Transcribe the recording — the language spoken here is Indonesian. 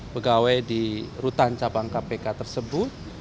pegawai di rutan cabang kpk tersebut